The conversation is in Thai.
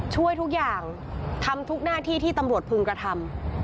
ช่วยทุกอย่างทำทุกหน้าที่ที่ตำรวจพึงกระทำ